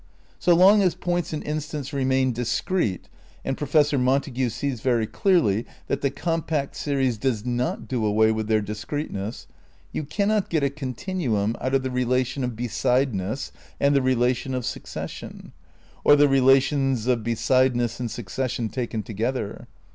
So long as points and instants remain discrete — and Professor Montague sees very clearly that the compact series does not do away with their discreteness — ^you cannot get a continuum out of the relation of besideness and the relation of succession, or the relations of besideness and succession taken together.